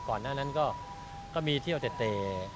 ก่อนหน้านั้นก็มีเที่ยวเต